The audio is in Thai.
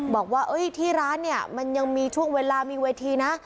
บอกว่าที่ร้านเนี่ยมันยังมีช่วงเวลามีเวทีนะ